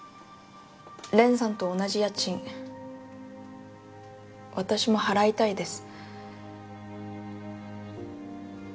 蓮さんと同じ家賃私も払いたいです。